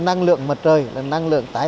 năng lượng mặt trời là năng lượng mặt trời